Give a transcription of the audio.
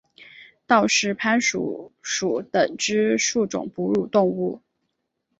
道氏攀鼠属等之数种哺乳动物。